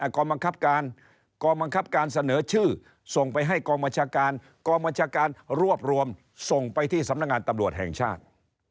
กองบังคับการกองบังคับการเสนอชื่อส่งไปให้กองบัญชาการกองบัญชาการรวบรวมส่งไปที่สำนักงานตำรวจแห่งชาติ